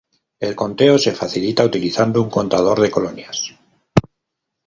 El conteo se facilita utilizando un contador de colonias.